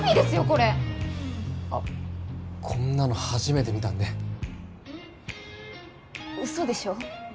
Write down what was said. これあこんなの初めて見たんでウソでしょ？